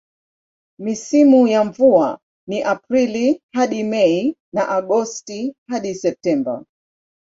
Misimu za mvua ni Aprili hadi Mei na Agosti hadi Septemba.